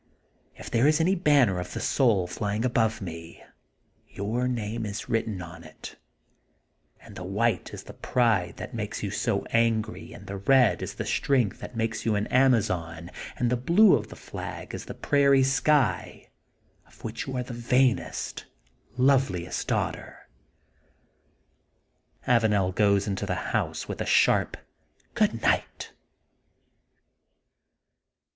If there is any banner of the soul flying above me, your name is written on it and the white is the pride that makes you so angry and the red is the strength that makes you an Amazpn, and the blue of the flag is the prairie sky, of which you are the vainest, loveliest daughter. *' Avanel goes into the house with a sharp Goodnight.''